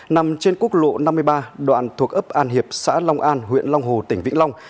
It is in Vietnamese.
nằm trên quốc lộ năm mươi ba đoạn thuộc ấp an hiệp xã long an huyện long hồ tỉnh vĩnh long